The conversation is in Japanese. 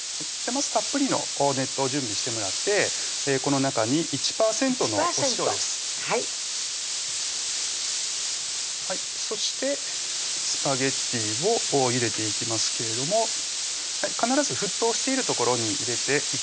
まずたっぷりの熱湯を準備してもらってこの中に１％のお塩です１％はいそしてスパゲッティをゆでていきますけれども必ず沸騰しているところに入れていくようにしてください